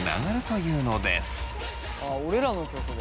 ああ俺らの曲で？